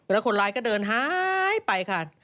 แล้วคนร้ายก็เดินหายไปค่ะ